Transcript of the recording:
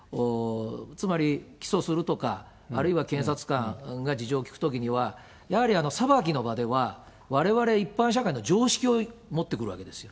つまり、起訴するとか、あるいは検察官が事情を聴くときには、やはり裁きの場では、われわれ一般社会の常識を持ってくるわけですよ。